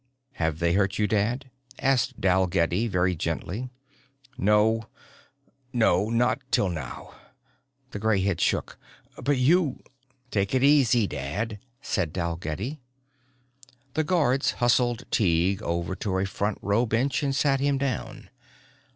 "Have they hurt you, Dad?" asked Dalgetty very gently. "No, no not till now." The gray head shook. "But you...." "Take it easy, Dad," said Dalgetty. The guards hustled Tighe over to a front row bench and sat him down.